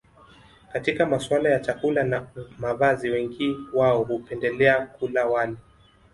Katika masuala ya chakula na mavazi wengi wao hupendelea kula wali